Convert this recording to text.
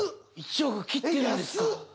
１億切ってるんですか？